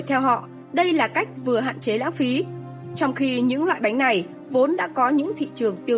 theo họ đây là cách vừa hạn chế lãng phí trong khi những loại bánh này vốn đã có những thị trường tiêu